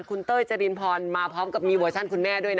คุณเต้ยจรินพรมาพร้อมกับมีเวอร์ชั่นคุณแม่ด้วยนะ